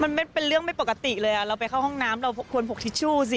มันเป็นเรื่องไม่ปกติเลยเราไปเข้าห้องน้ำเราควรพกทิชชู่สิ